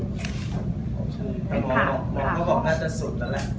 แต่หมอบอกว่าจะสุดแล้วแหละ